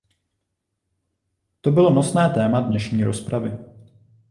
To bylo nosné téma dnešní rozpravy.